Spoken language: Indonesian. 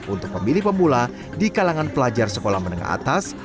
untuk pemilih pemula di kalangan pelajar sekolah menengah atas